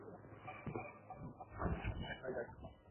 সাম্ভুর সাথে দেখা করেছিলে?